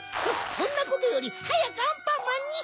そんなことよりはやくアンパンマンに。